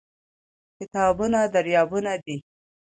کتابونه دريابونه دي